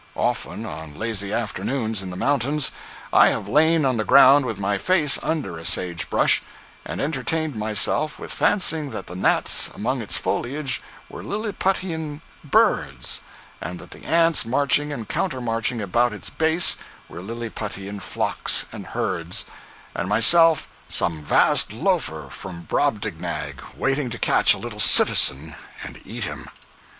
Often, on lazy afternoons in the mountains, I have lain on the ground with my face under a sage bush, and entertained myself with fancying that the gnats among its foliage were liliputian birds, and that the ants marching and countermarching about its base were liliputian flocks and herds, and myself some vast loafer from Brobdignag waiting to catch a little citizen and eat him.